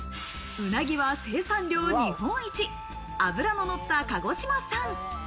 うなぎは生産量日本一、脂の乗った鹿児島産。